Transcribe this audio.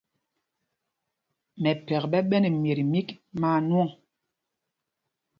Mɛphɛk ɓɛ ɓɛ́ nɛ mimyet mîk maa nwɔ̂ŋ.